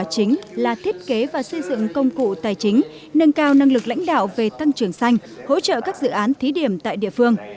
chính là thiết kế và xây dựng công cụ tài chính nâng cao năng lực lãnh đạo về tăng trưởng xanh hỗ trợ các dự án thí điểm tại địa phương